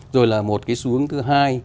rồi là một xu hướng thứ hai